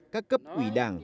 các cấp quỷ đảng